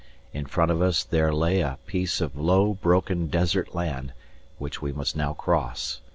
In front of us there lay a piece of low, broken, desert land, which we must now cross.